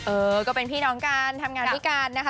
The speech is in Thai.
เออก็เป็นพี่น้องกันทำงานด้วยกันนะคะ